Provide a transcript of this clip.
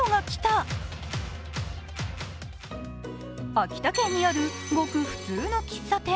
秋田県にあるごく普通の喫茶店。